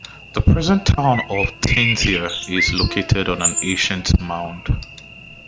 The present town of Thanesar is located on an ancient mound.